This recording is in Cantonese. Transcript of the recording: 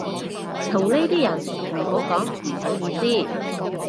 同呢啲人唔好講唔好意思